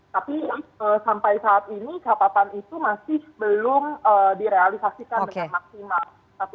tapi sampai saat ini catatan itu masih belum direalisasikan dengan maksimal